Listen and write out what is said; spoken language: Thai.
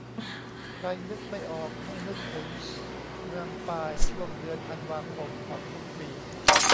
"ใครนึกไม่ออก ให้นึกถึงเมือง 'ปาย' ช่วงเดือนธันวาคมของทุกปี"